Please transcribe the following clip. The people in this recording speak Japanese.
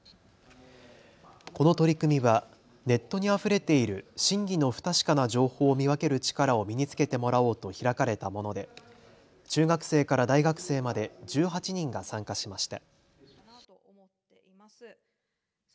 この取り組みはネットにあふれている真偽の不確かな情報を見分ける力を身につけてもらおうと開かれたもので中学生から大学生まで１８人が参加しました。